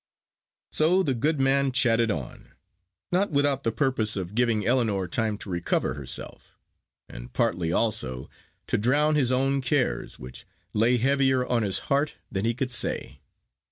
So the good man chatted on; not without the purpose of giving Ellinor time to recover herself; and partly also to drown his own cares, which lay heavier on his heart than he could say.